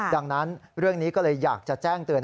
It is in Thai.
ดังนั้นเรื่องนี้ก็เลยอยากจะแจ้งเตือน